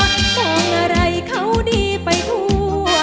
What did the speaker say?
มองอะไรเขาดีไปทั่ว